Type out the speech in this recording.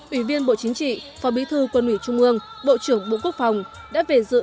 ủy viên bộ chính trị phó bí thư quân ủy trung ương bộ trưởng bộ quốc phòng đã về dự